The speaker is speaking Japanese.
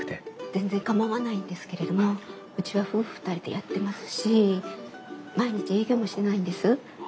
全然構わないんですけれどもうちは夫婦２人でやってますし毎日営業もしてないんです。